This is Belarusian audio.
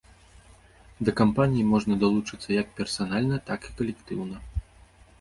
Да кампаніі можна далучыцца як персанальна, так і калектыўна.